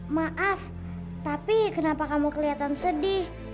maaf tapi kenapa kamu kelihatan sedih